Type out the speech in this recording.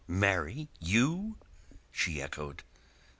"Marry you!" she echoed.